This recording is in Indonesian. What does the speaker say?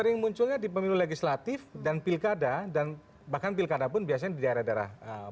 sering munculnya di pemilu legislatif dan pilkada dan bahkan pilkada pun biasanya di daerah daerah